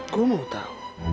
gue mau tau